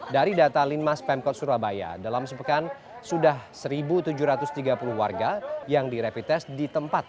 dari data linmas pemkot surabaya dalam sepekan sudah satu tujuh ratus tiga puluh warga yang direpites di tempat